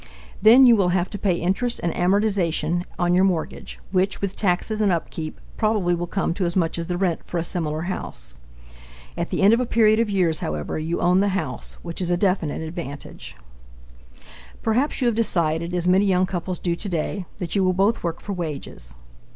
Then you will have to pay interest and amortization on your mortgage, which, with taxes and upkeep, probably will come to as much as the rent for a similar house. At the end of a period of years, however, you own the house, which is a definite advantage. Perhaps you have decided, as many young couples do today, that you will both work for wages.